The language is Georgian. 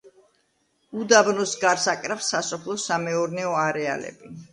უდაბნოს გარს აკრავს სასოფლო-სამეურნეო არეალები.